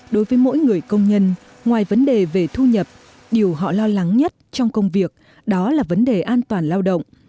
đối với mỗi người công nhân ngoài vấn đề về thu nhập điều họ lo lắng nhất trong công việc đó là vấn đề an toàn lao động